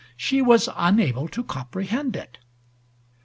She was unable to comprehend it.